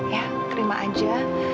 ya terima aja